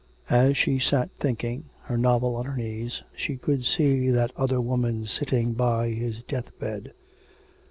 As she sat thinking, her novel on her knees, she could see that other woman sitting by his death bed.